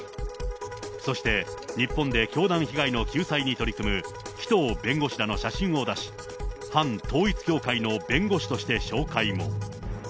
そして、日本で教団被害の救済に取り組む、紀藤弁護士らの写真を出し、反統一教会の弁護士として紹介も。